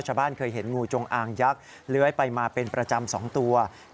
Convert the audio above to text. เคยเห็นงูจงอางยักษ์เลื้อยไปมาเป็นประจำ๒ตัว